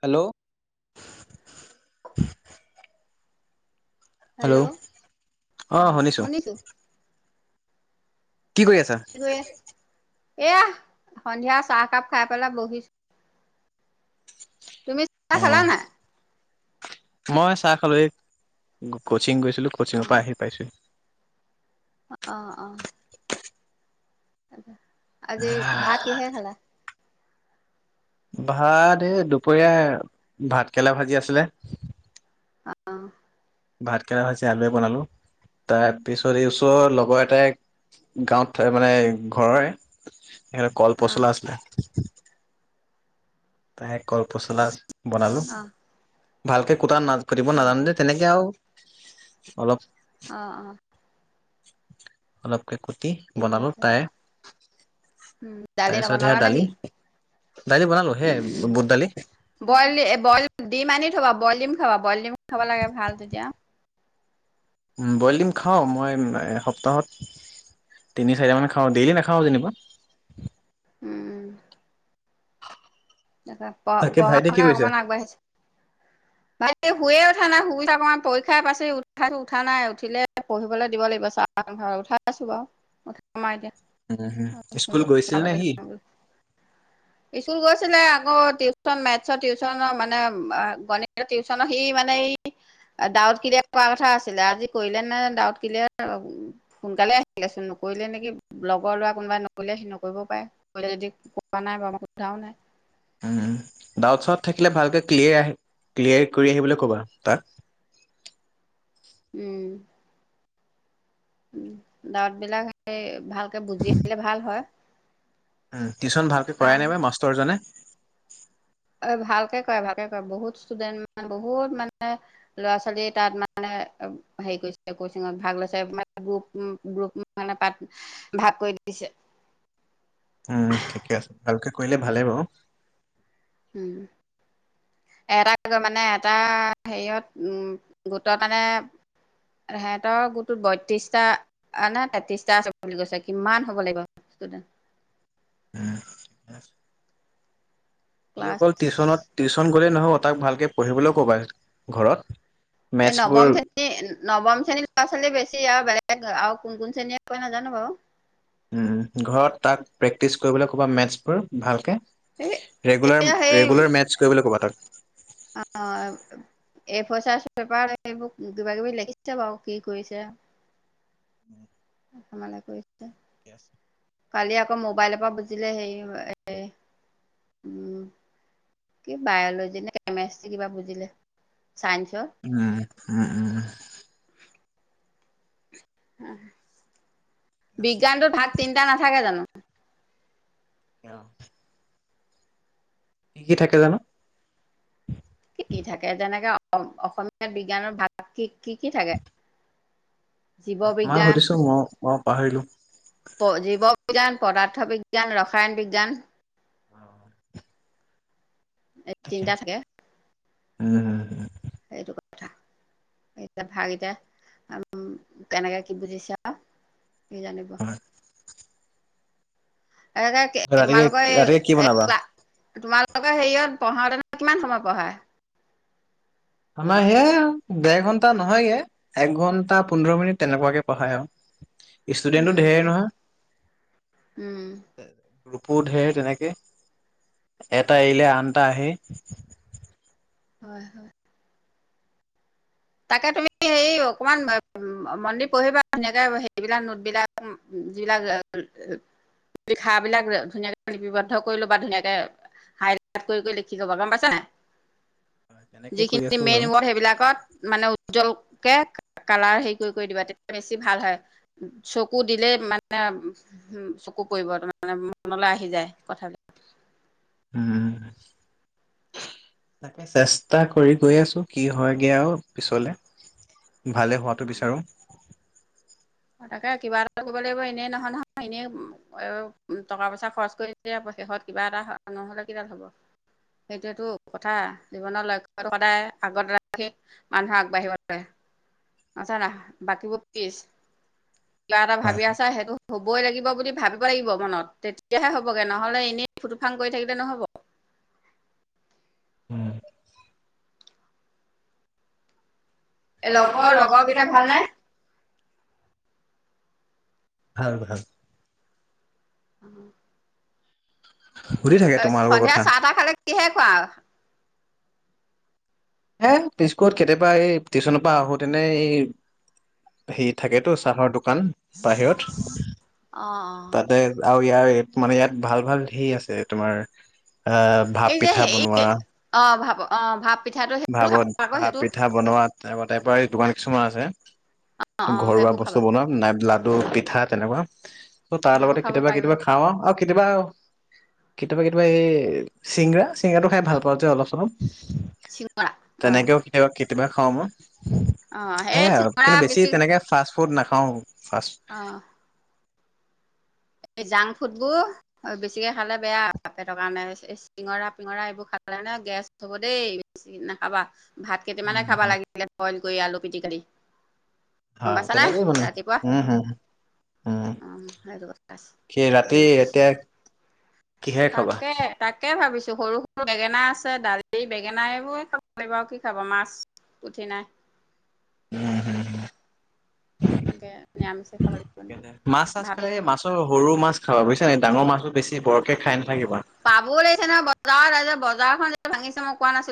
Hello hello অ শুনিছো কি কৰি আছা এয়াহ সন্ধিয়া চাহকাপ খাই পেলাই বহিছ তুমি চা অ খালা নাই মই চাহ খালো এই ক কচিং গৈছিলো অ কচিঙৰ পৰা আহি পাইছো অ অ আজি ভাত কিহে খালা ভাত এই দুপৰীয়া ভাতকেৰেলা ভাজি আছিলে অ ভাত কেৰেলা ভাজি আলুৱে বনালো তাৰ পিছত এই ওচৰৰ লগৰ এটাই গাঁৱত মানে ঘৰৰে এ কল অ পচলা আছিলে তাই কলপচলা বনালো অ ভালকে কুটা না কুটিব অ নাজানো যে তেনেকে আউ অলপ অ অ অলপকে কুটি ঠিক বনালো আছে তাই উম দালি তাৰপিছত নবনালা হেয়া নেকি দালি দালি বনালো সেই উম বুট দালি উ বইল বইল দি মানি খাবা বইলিম খাবা বইলিম খাব লাগে ভাল তেতিয়া বইল দিম খাওঁ মই এ সপ্তাহত তিনি চাৰিটামান খাওঁ ডেইলি নেখাওঁ যেনিবা উম তাপাঁ প তাকে পঢ়া ভাইটি কি শুনা কৰিছে? অকমান আগবাঢ়িছে ভাইটি হুয়ে উঠা নাই সুবিধা পে পৰীক্ষাৰ পাছ উঠাইছো উঠা নাই উঠিলে পঢ়িবলৈ দিব লাগিব চা ঘৰত উঠা ছো বাও কমাই এতিয়া উম হম স্কুল গৈছিল নে সি? এই চুৰ গছ ছিলে আকৌ টিউচন মেথছৰ টিউচনৰ মানে অ গণিত টিউচ সি মানে দাঁৱত ক্লিয়াৰ ক কথা আছিলে আজি কৰিলে নে ডাঁৱত কিলিয়াৰ সোনকালে আহছিলে চোন কৰিলে নেকি লগৰ ল'ৰা কোনোবাই নকৰিলে হেনো নকৰিবও পাই কৰি যদি পোৱা নাই বাও মই সোধাও নাই উম ডাউট চাউট থাকিলে ভালকে ক্লিয়া ক্লিয়াৰ কৰি আহিবলৈ ক'বা তাক। [unintelligible] উম। উম দাউতবিলাক হে ভালকে বুজি আহিলে ভাল হয়। উম টিউচন ভালকে কাম কৰাই নে বা মাষ্টৰজনে। অ ভালকে কৰে ভালকে কৰে বহুত ষ্টুডেন্ট মানে বহুত মানে ল'ৰা ছোৱালী তাত মানে হেৰি কৰিছে কচিঙত ভাগ লৈছে মানে গ্ৰুপ গ্ৰুপ মানে পাত ভাগ কৰি দিছে। যে উম ঠিকে আছে ভালকে কৰিলে ভালেই বাৰু। উম। এটাক মানে এটা হেৰিয়ত উম গোটৰ মানে সেহঁতৰ গোটটোত বত্ৰিশটা নে তেত্ৰিশটা আছে বুলি কৈছে কিমান হ'ব লাগিব ষ্টুডেণ্ট। সি ক্লাছ অকল টিউচনত টিউচন কলে নহব তাক ভালকে পঢ়িবলৈও কবা ঘৰত। এই মেথছবোৰ নৱম শ্ৰেণী, নৱম শ্ৰেণী ল'ৰা ছোৱালী বেছি আউ বে লেগ আও কোন কোন চেনিয়ে কই নাজানো বাৰু। উম ঘৰত তাক প্ৰেক্টিচ কৰিবলৈ কবা মেথছবোৰ ভালকে। এই ৰেগুলাৰ এতিয়া সেই ৰেগুলাৰ মেথছ কৰিবলৈ ক'বা তাক। এই ফচাৰ্চ পেপাৰ এইবোৰ কিবা কিবি লেখিছে বাৰু কি কৰিছে? ধেমালি কৰিছে। ঠিক আছে। কালি আকৌ মোবাইলৰ পৰা বুজিলে হেৰি হয় এ। [inaudible] কি বায়লজি নে কেমেষ্ট্ৰি কিবা বুজিলে চাইন্সৰ? উম উম উম। [inaudible] বিজ্ঞানটো ভাগ তিনটা নাথাকে জানো? অ'। কি কি থাকে জানো? কি কি থাকে যেনেকে অসমীয়াত বিজ্ঞানৰ ভাগ কি কি থাকে? জীৱ মই বিজ্ঞান সুধিছো মই মই পাহৰিলো? জীৱ বিজ্ঞান, পদাৰ্থ বিজ্ঞান, ৰসায়ন বিজ্ঞান [inaudible] এ তিনিটা থাকে। উম হুম। সেইটো কথা। এতিয়া ভাগ কেইটা, কেনেকে কি বুজিছা? কি জানিব? [unintelligible] ৰাতিকে তোমালোকৰ ৰাতিকে কি বনাবা? হেৰিয়ত পঢ়াওঁতেনে কিমান সময় পঢ়ায়? আমাৰ সেয়াই আৰু দেৰ ঘন্টা নহয়গে এক ঘন্টা পোন্ধৰ মিনিট তেনেকুৱাকে পঢ়ায় আৰু। ষ্টুডেণ্টটো উম ঢেৰ নহয়। উম। গ্ৰুপো ঢেৰ তেনেকে, এটা এৰিলে আনটা আহে। হয় হয়। তাকে তুমি হেৰি অকমান মনদি পঢ়িবা ধুনীয়াকে হেৰিবলাক নোটবিলাক যিবিলাক, লিখা বিলাক ধুনীয়াকে লিপিবদ্ধ কৰি লবা ধুনীয়াকে হাইলাইট কৰি কৰি লিখি থবা গম পাইছ নে নাই? তেনেকে কৰি যিখিনি আছো মেইন বাৰু ৱৰ্ড সেইবিলাকত মানে উজ্জ্বলকে কালাৰ হেৰি কৰি কৰি দিবা তেতিয়া বেছি ভাল হয় চকু দিলে মানে চকু পৰিব তাৰমানে মনলৈ আহি যায় কথাবিলাক। উম। তাকে চেষ্টা কৰি গৈ আছো কি হয়গে আও পিছলে? ভালে হোৱাটো বিচাৰো। তাকে কিবা এটাটো কৰিব লাগিব, এনেই নহয় নহয় এনেই টকা পইচা খৰচ শেষত কিবা এটা নহলে কিডাল হ'ব। সেইটোৱেতো কথা জীৱনৰ লক্ষ্যত সদায় আগত ৰাখি মানুহে আগবাঢ়িব লাগে। আগত ৰাখ বাকীবোৰ পিছ কিবা এটা হয়। ভাবি আছা সেইটো হবই লাগিব বুলি ভাবিব লাগিব। [inaudible] এ লগৰ লগৰ কেইটা বিলাক ভাল নে? ভালনে? ভাল ভাল। [inaudible] সুধি থাকে তোমালোকৰ সন্ধিয়া কথা চাহটাহ খালে কিহে খোৱা? এ বিস্কুত কেতিয়াবা এই টিউচনৰ পৰা আহোতেনে এই হেৰি থাকেতো চাহৰ দোকান বাহিৰত অ অ তাতে আৰু ইয়াৰ মানে ইয়াত ভাল ভাল হেৰি আছে তোমাৰ এ এই ভাপ যে পিঠা হেৰি বনোৱা অ ভাপ অ ভাপ পিঠাটো সেইটো খাবা ভাপত আকৌ ভাপ সেইটো পিঠা বনোৱা তপ তাইপৰ দোকান কিছুমান আছে। অ অ ঘৰুৱা সেইবোৰ বস্তু খাবা বনোৱা নাই লাডু পিঠা তেনেকুৱা ত তাৰ সেইবোৰ লগতে খাব কেতিয়াবা পাৰিবা কেতিয়াবা খাও আও আও কেতিয়াবা কেতিয়াবা কেতিয়াবা এই চিংৰা চিঙৰাটো খাই ভাল পাওঁ যে অলপ চলপ। শি তেনেকেও কেতিয়াবা কেতিয়াবা খাওঁ মই। অ সেই সেয়াই আও। চিঙৰা কিন্তু বেছি তেনেকে ফাৰ্ষ্ট ফুত নাখাওঁ ফাৰ্ষ্ট অ এই জাং ফুডবোৰ বেছিকে খালে বেয়া পেটৰ কাৰণে। চিঙৰা পিঙৰা এইবোৰ খালে মানে গেছ হ'ব দেই বেছি নাখাবা। ভাত কেইটামানে ফাষ্ট খাবা লাগিলে বইল কৰি আলু পিটিকা দি। গম হয় পাইছানে তেনেকেই ৰাতিপুৱা উম হ উম অ সেইটো কথা আছে কি ৰাতি যিবোৰ এতিয়া কিহেৰে খাবা তাকে তাকে ভাবিছো। সৰু সৰু বেঙেনা আছে, দালি বেঙেনা এইবোৰে খাব লাগিব আও কি খাবা মাছ পুঠি নাই। উম হম। এনেকে নিৰামিষে খাব লাগিব নেকি মাছ চাছ খাই ভাবিছো মাছৰ সৰু মাছ খাবা বুইছা নাই। ডাঙৰ মাছবোৰ বেছি বৰ কে খাই নাথাকিবা পাবও লাগিছে নহয় বজাৰত আ বজাৰখন ভাঙিছে মই কোৱা নাছিল।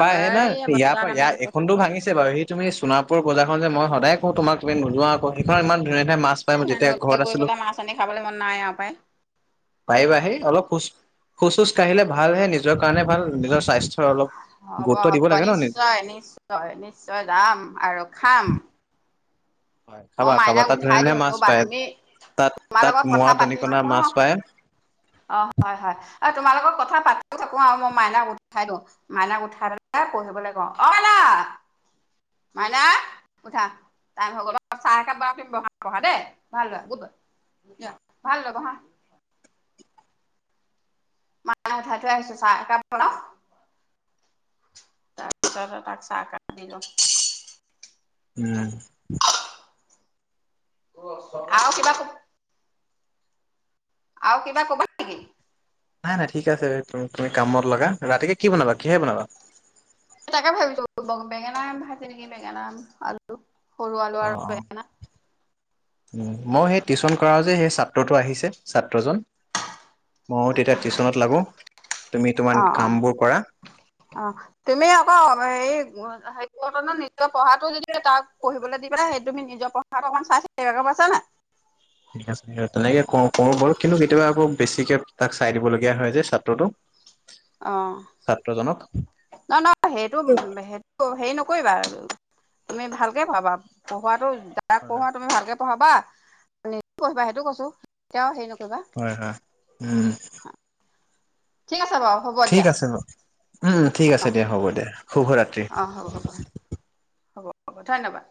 পাই সে নাই ইয়াৰ পৰা ইয়াৰ এইখনতো ভাঙিছে বাৰু সি তুমি সোণাপুৰ বজাৰখন যে মই সদায় কওঁ তোমাক তুম নোযোৱা আকৌ সেইখন ইমান ধুনীয়া ধুনীয়া মাছ পাই মই ইমান যেতিয়া দূৰলৈ ঘৰত গৈ আছিলো। পেলাই মাছ আনি খাবলৈ মন নাই আৰু পাই। পাৰিবা হে অলপ খোজ খোজ চোজ কাঢ়িলে ভালহে। নিজৰ কাৰণে ভাল নিজৰ স্বাস্থ্য অলপ হ'ব হ'ব নিশ্চয় নিশ্চয় নিশ্চয় যাম আৰু খাম। হয় মই খাবা খাবা মাইনাক তাত ধুনীয়া উঠাই ধুনীয়া দিওঁ মাছ ৰবা পায় তুমি তাত তোমাৰ তাত লগত মোৱা কথা পাতি দনিকণা থাকো ন মাছ পায় অ হয় হয়। আৰু তোমালোকৰ কথা পাতো থাকো আও মই মাইনাক উঠাই দিওঁ। মাইনাক উঠাই পেলাই পঢ়িবলে কওঁ। অ মাইনা। মাইনা উঠা টাইম হৈ গ'ল। চাহ একাপ [unintelligible] বহা বহা দেই ভাল লৰা, গুড বয়, যোৱা, ভাল লৰা বহা। মাইনাক উঠাই থৈ আহিছো চাহ কাপ বনাও। তাৰপিছত তাক চাহ কপ দি লও। উম। আৰু কিবা কবি আ কিবা কবা নেকি? নাই নাই ঠিক আছে তুমি কামত লগা। ৰাতিকে কি বনাবা কিহে বনাবা? তাকে ভাবিছো বেঙেনা আম ভাইছে নেকি বেঙেনা আম আলু সৰু আলু অ আৰু অ বেঙেনা। মই সেই টিউশ্যন কৰা যে সেই ছাত্ৰটো আহিছে ছাত্ৰজন ময়ো তেতিয়া টিউশ্যনত লাগো তুমি অ তোমাৰ অ কামবোৰ কৰা। অ তুমি আকৌ এই হে ঘটনা নিজৰ পঢ়াটো যদি তাক পঢ়িবলৈ পেলাই সেই তুমি নিজৰ পঢ়াটো অকণমান চাই চাবি গম পাইছা নাই ঠিক আছে তেনেকে ক কৰো বাৰু। কিন্তু কেতিয়াবা আকৌ বেছিকে তাক চাই দিবলগীয়া হয় যে ছাত্ৰটোক। অ নহয় নহয় সেইটো সেইটো হেৰি নকৰিবা আৰু তুমি ভালকে পঢ়াবা পঢ়োৱাটো যাক হয় পঢ়োৱা তুমি ভালকে পঢ়াবা নিজও পঢ়িবা সেইটো কৈছো কেতিয়াও হেৰি নকৰিবা হয় হয় উ ঠিক আছে বাৰু হ'ব ঠিক দিয়া আছে ন উম ঠিক আছে দিয়া হ'ব দে শুভৰাত্ৰি। অ হ'ব হ'ব হ'ব ধন্যবাদ।